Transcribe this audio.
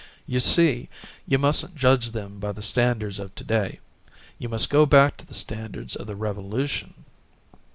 You see, you mustn't judge them by the standards of to day you must go back to the standards of the Revolution.